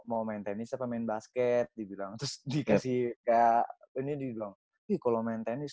mau main tenis apa main basket dibilang terus dikasih kayak ini dibilang ih kalau main tenis